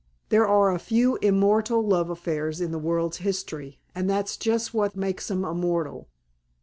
There are a few immortal love affairs in the world's history, and that's just what makes 'em immortal."